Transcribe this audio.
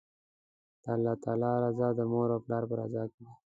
د الله تعالی رضا، د مور او پلار په رضا کی ده